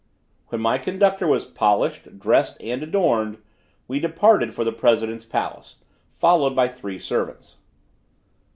When my conductor was polished, dressed and adorned, we departed for the president's palace, followed by three servants.